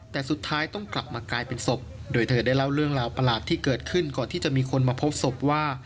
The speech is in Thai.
แต่สุดท้ายต้องกลับมากลายเป็นศพโดยเธอได้เล่าเรื่องราวประหลาดที่เกิดขึ้นก่อนที่จะมีคนมาพบศพว่า